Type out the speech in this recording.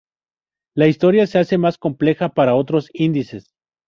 La historia se hace más compleja para otros índices.